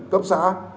cấp xã và cấp trên